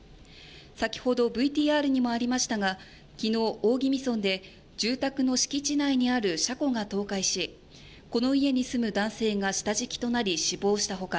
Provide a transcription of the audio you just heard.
先ほどＶＴＲにもありましたが昨日、大宜味村で住宅の敷地内にある車庫が倒壊しこの家に住む男性が下敷きとなり死亡したほか